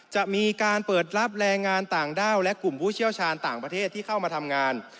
จะมีการเปิดรับแรงงานต่างด้าวและกลุ่มผู้เชี่ยวชาญต่างประเทศที่เข้ามาทำงาน